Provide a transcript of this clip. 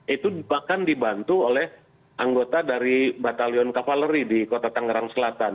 itu bahkan dibantu oleh anggota dari batalion cavaleri di kota tangerang selatan